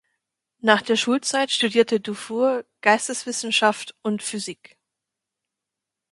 Nach der Schulzeit studierte Dufour Geisteswissenschaft und Physik.